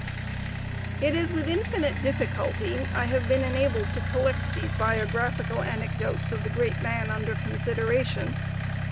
It is with infinite difficulty I have been enabled to collect these biographical anecdotes of the great man under consideration.